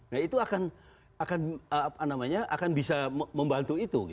nah itu akan bisa membantu itu